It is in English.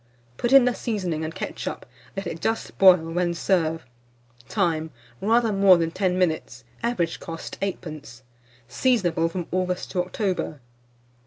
Put in the seasoning and ketchup; let it just boil, when serve. Time. Rather more than 10 minutes. Average cost, 8d. Seasonable from August to October.